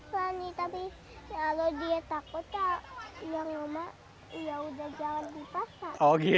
berani tapi kalau dia takut yang rumah ya udah jangan dipaksa